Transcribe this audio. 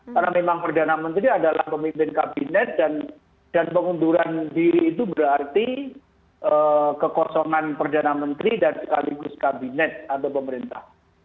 karena memang perdana menteri adalah pemimpin kabinet dan pengunduran diri itu berarti kekosongan perdana menteri dan sekaligus kabinet atau pemerintah